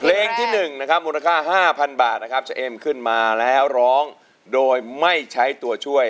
เพลงที่๑มูลค่า๕๐๐๐บาทจะเอ็มขึ้นมาแล้วร้องโดยไม่ใช้ตัวช่วย